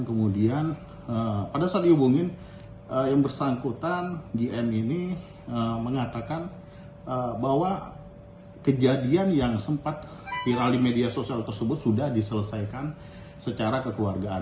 kemudian pada saat dihubungin yang bersangkutan gm ini mengatakan bahwa kejadian yang sempat viral di media sosial tersebut sudah diselesaikan secara kekeluargaan